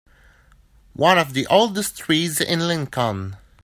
One of the oldest trees in Lincoln.